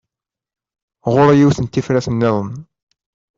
Ɣur-i yiwet n tifrat-nniḍen.